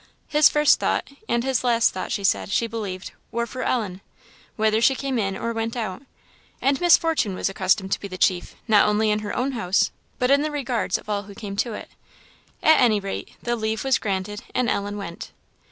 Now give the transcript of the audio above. His first thought, and his last thought, she said, she believed, were for Ellen, whether she came in or went out; and Miss Fortune was accustomed to be chief, not only in her own house, but in the regards of all who came to it. At any rate, the leave was granted and Ellen went.